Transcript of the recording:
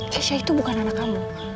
cesa itu bukan anak kamu